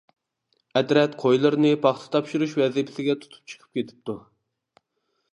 ئەترەت قويلىرىنى پاختا تاپشۇرۇش ۋەزىپىسىگە تۇتۇپ چىقىپ كېتىپتۇ.